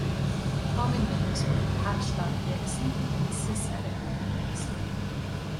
Common names were "Patch dot exe" and "SysEdit dot exe".